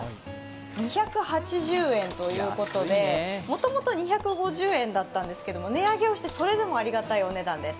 ２８０円ということで、もともと２５０円だったんですけれども、値上げをしてそれでもありがたいお値段です。